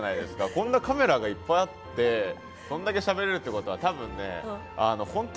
こんなカメラがいっぱいあってそんだけしゃべれるってことは多分ね本当多分もうちょいなんでしょうね。